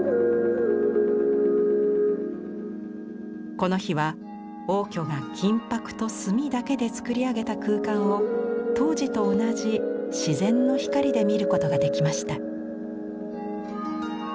この日は応挙が金箔と墨だけでつくり上げた空間を当時と同じ自然の光で見ることができました。